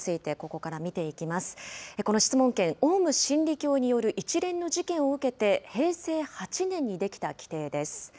この質問権、オウム真理教による一連の事件を受けて平成８年に出来た規定です。